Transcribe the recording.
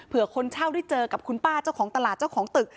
เพื่อคนเช่าได้เจอกับคุณป้าเจ้าของตลาดเจ้าของตึก